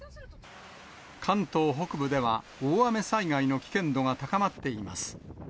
関東北部では、大雨災害の危険度が高まっています。